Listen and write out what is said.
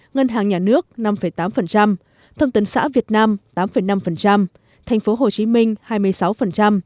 ngân hàng nhà nước năm tám thông tấn xã việt nam tám năm thành phố hồ chí minh hai mươi sáu